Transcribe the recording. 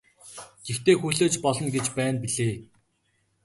Гэхдээ хүлээж болно гэж байна билээ.